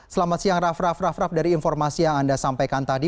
selamat siang raff raff raff raff dari informasi yang anda sampaikan tadi